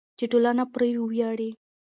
چې ټولنه پرې وویاړي.